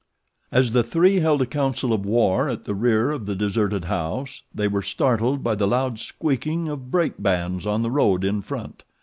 As the three held a council of war at the rear of the deserted house they were startled by the loud squeaking of brake bands on the road in front.